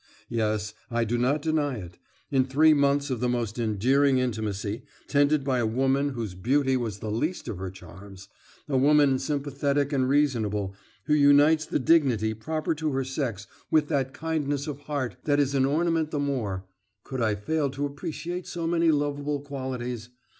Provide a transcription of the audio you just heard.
Yes, I do not deny it. In three months of the most endearing intimacy, tended by a woman whose beauty was the least of her charms, a woman sympathetic and reasonable, who unites the dignity proper to her sex with that kindness of heart that is an ornament the more could I fail to appreciate so many lovable qualities?